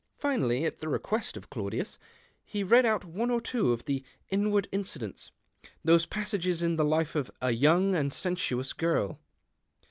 Finally, at the request of Claudius, he read out one or two of the " Inward Incidents," those passages in the life of a " young and sensuous girl."